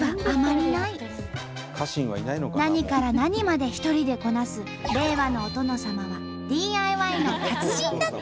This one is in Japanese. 何から何まで一人でこなす令和のお殿様はＤＩＹの達人だった。